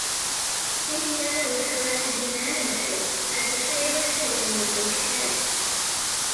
Indiana was selected unanimously as the favorite to win the Big Ten.